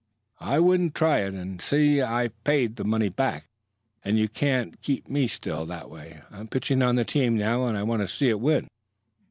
"I wouldn't. Try it and see! I've paid the money back, and you can't keep me still that way. I'm pitching on the team now, and I want to see it win."